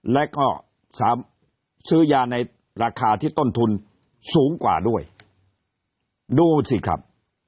และก็สามซื้อยาในราคาที่ต้นทุนสูงกว่าด้วยดูสิครับ